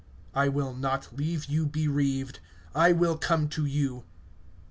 (18)I will not leave you bereaved[14:18]; I will come to you.